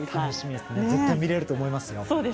絶対見れると思いますよ。